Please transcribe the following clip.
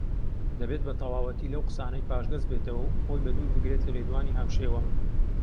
دەبێت بەتەواوەتی لەو قسانەی پاشگەزبێتەوە و خۆی بە دوور بگرێت لە لێدوانی هاوشێوە